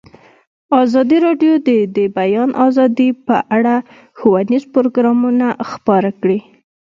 ازادي راډیو د د بیان آزادي په اړه ښوونیز پروګرامونه خپاره کړي.